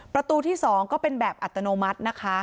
ประตูที่๒ก็เป็นแบบอัตโนมัตินะคะ